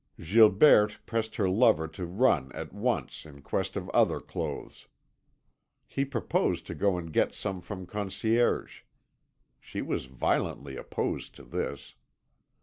Gilberte pressed her lover to run at once in quest of other clothes. He proposed to go and get some from the concierge. She was violently opposed to this.